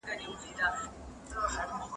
موږ بايد د سياست په اړه علمي فکر وکړو.